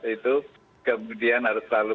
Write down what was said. itu kemudian harus selalu